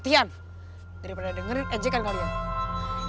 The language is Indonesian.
ini untuk menghilang omega segiku